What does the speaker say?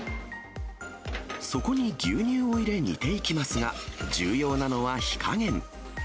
そこに牛乳を入れ、煮ていきますが、重要なのは火加減。